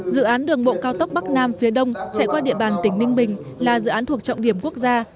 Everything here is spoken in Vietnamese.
dự án đường bộ cao tốc bắc nam phía đông chạy qua địa bàn tỉnh ninh bình là dự án thuộc trọng điểm quốc gia